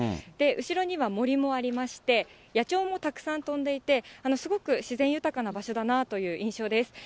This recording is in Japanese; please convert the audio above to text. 後ろには森もありまして、野鳥もたくさん飛んでいて、すごく自然豊かな場所だなという印象です。